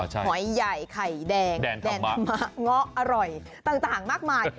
หอยใหญ่ไข่แดงแดงธรรมะเงาะอร่อยต่างมากมาย